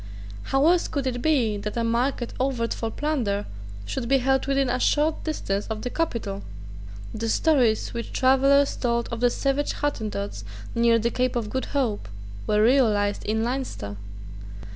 How else could it be that a market overt for plunder should be held within a short distance of the capital? The stories which travellers told of the savage Hottentots near the Cape of Good Hope were realised in Leinster.